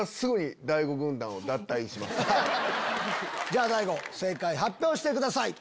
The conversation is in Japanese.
じゃあ大悟正解発表してください。